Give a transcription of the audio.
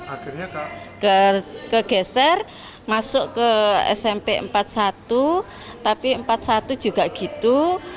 akhirnya kegeser masuk ke smp empat puluh satu tapi empat puluh satu juga gitu